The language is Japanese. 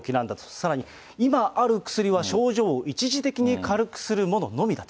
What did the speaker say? さらに今ある薬は、症状を一時的に軽くするもののみだと。